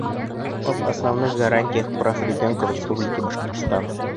«Об основных гарантиях прав ребенка в Республике Башкортостан»